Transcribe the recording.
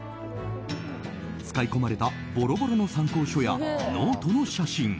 使い込まれたぼろぼろの参考書やノートの写真。